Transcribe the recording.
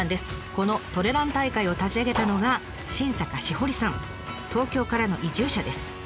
このトレラン大会を立ち上げたのが東京からの移住者です。